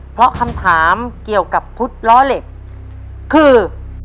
เพราะคำถามเกี่ยวกับพุทธล้อเหล็กคือ